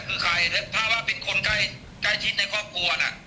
คือใครถ้าว่าเป็นคนใกล้ชิดในครอบครัวน่ะ